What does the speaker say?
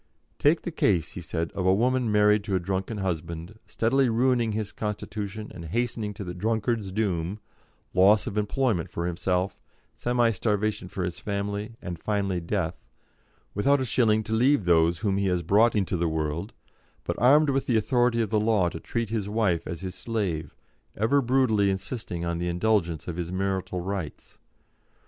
"Take the case," he said, "of a woman married to a drunken husband, steadily ruining his constitution and hastening to the drunkard's doom, loss of employment for himself, semi starvation for his family, and finally death, without a shilling to leave those whom he has brought into the world, but armed with the authority of the law to treat his wife as his slave, ever brutally insisting on the indulgence of his marital rights.